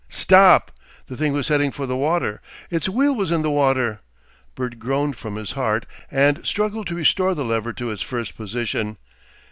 Stop! The thing was heading for the water; its wheel was in the water. Bert groaned from his heart and struggled to restore the lever to its first position.